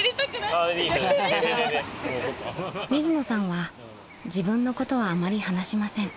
［水野さんは自分のことはあまり話しません］